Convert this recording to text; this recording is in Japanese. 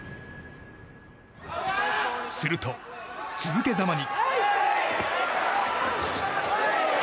すると、続けざまに。